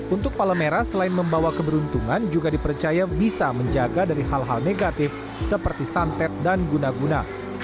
untuk palemera selain membawa keberuntungan juga dipercaya bisa menjaga dari hal hal negatif seperti santet dan guna guna